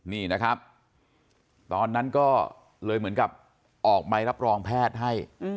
นี่นะครับตอนนั้นก็เลยเหมือนกับออกใบรับรองแพทย์ให้